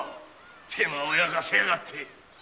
手間を焼かせやがって！